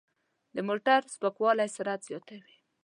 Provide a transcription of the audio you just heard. د موټر سپکوالی سرعت زیاتوي.